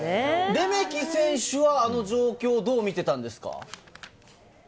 レメキ選手は、あの状況、どう見てたんですか？